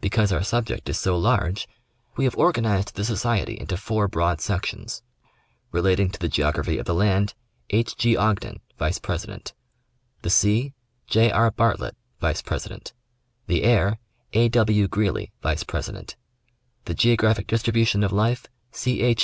Because our subject is so large we have organized the society into four broad sections: relating to the geography of the land, H. G. Ogden, vice president ; the sea, J. R. Bartlett, vice president ; the air, A. W. Greely, vice president ; the geographic distribution of life, C. H.